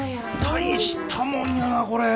大したもんやなこれ。